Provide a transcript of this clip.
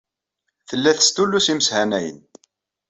Tella testullus imeshanayen.